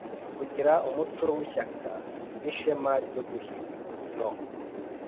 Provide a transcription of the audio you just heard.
kugira umuco w’ishyaka n’ishema ryo guhiga no